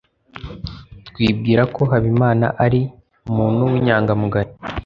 twibwira ko habimana ari umuntu w'inyangamugayo